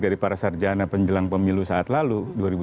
dari para sarjana penjelang pemilu saat lalu